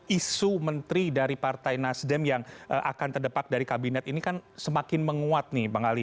isu menteri dari partai nasdem yang akan terdepak dari kabinet ini kan semakin menguat nih bang ali